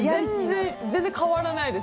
全然変わらないです。